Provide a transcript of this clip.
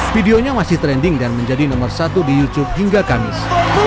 videonya masih trending dan menjadi nomor satu di youtube hingga kamis